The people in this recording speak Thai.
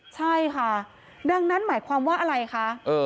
ใช่ค่ะดังนั้นหมายความว่าอะไรคะ